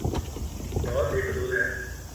بہت ہی فضول ہے۔